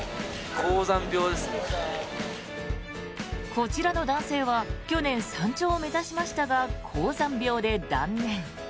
こちらの男性は去年、山頂を目指しましたが高山病で断念。